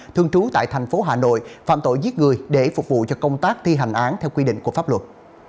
thường trú tại thành phố hà nội phạm tội giết người để phục vụ cho công tác thi hành án theo quy định của pháp luật